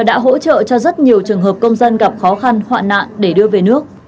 đã hỗ trợ cho rất nhiều trường hợp công dân gặp khó khăn hoạn nạn để đưa về nước